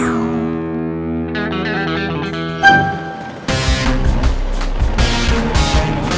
sampai jumpa di video selanjutnya